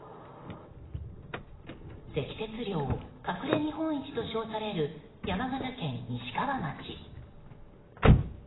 積雪量隠れ日本一と称される山形県西川町。